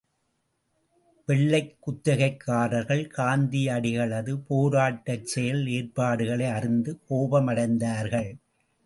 வெள்ளைக் குத்தகைதாரர்கள் காந்தியடிகளது போராட்டச் செயல் ஏற்பாடுகளை அறிந்து கோபமடைந்தார்கள்.